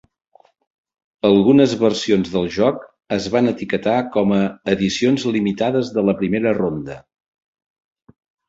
Algunes versions del joc es van etiquetar com a "Edicions limitades de la primera ronda".